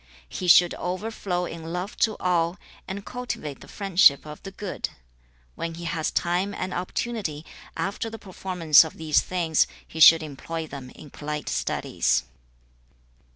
He should overflow in love to all, and cultivate the friendship of the good. When he has time and opportunity, after the performance of these things, he should employ them in polite studies.'